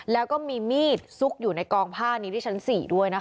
แล้วก็มีมีดซุกอยู่ในกองผ้านี้ที่ชั้น๔ด้วยนะคะ